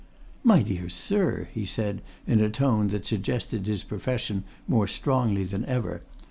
"My dear sir!" he said, in a tone that suggested his profession more strongly than ever.